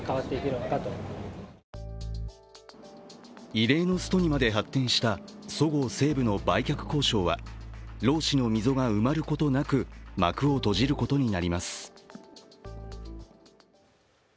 異例のストにまで発展したそごう・西武の売却交渉は労使の溝が埋まることなく、幕を閉じることになります。